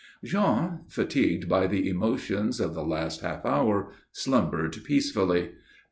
Jean, fatigued by the emotions of the last half hour, slumbered peacefully.